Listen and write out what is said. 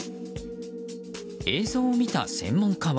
映像を見た専門家は。